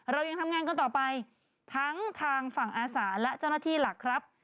เรายังทำงานกันต่อไปทั้งทางฝั่งอาสาและเจ้าหน้าที่หลักครับ